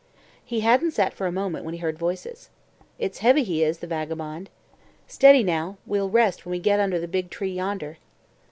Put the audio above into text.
He hadn't sat for a moment when he heard voices. "It's heavy he is, the vagabond." "Steady now, we'll rest when we get under the big tree yonder."